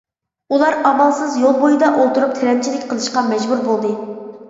ئۇلار ئامالسىز يول بويىدا ئولتۇرۇپ تىلەمچىلىك قىلىشقا مەجبۇر بولدى.